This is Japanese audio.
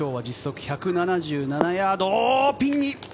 今日は実測１７７ヤード。